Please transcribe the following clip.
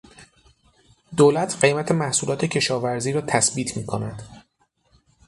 دولت قیمت محصولات کشاورزی را تثبیت میکند.